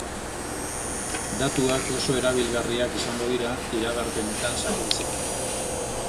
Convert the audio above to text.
Datuak oso erabilgarriak izango dira iragarpenetan sakontzeko.